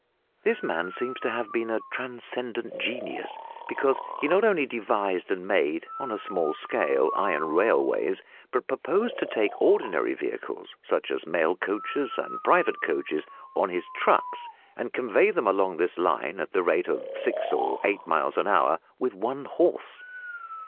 This man seems to have been a transcendent genius, because he not only devised and made (on a small scale) iron railways, but proposed to take ordinary vehicles, such as mail coaches and private carriages, on his trucks, and convey them along his line at the rate of six or eight miles an hour with one horse.